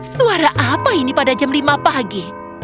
suara apa ini pada jam lima pagi